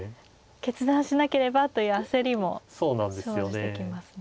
決断しなければという焦りも生じてきますね。